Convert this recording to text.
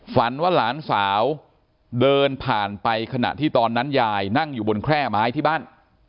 ฝันว่าหลานสาวเดินผ่านไปขณะที่ตอนนั้นยายนั่งอยู่บนแคร่ไม้ที่บ้าน